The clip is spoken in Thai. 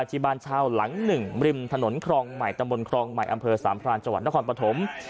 ราชิบานชาวหลังหนึ่งริมถนนคลองใหม่ตะบนคลองใหม่อำเภอสามพลาณจวันตะคอนปฐม